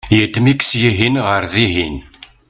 yeddem-ik syihen ɣer dihin